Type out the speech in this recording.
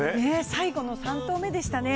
最後の３投目でしたね。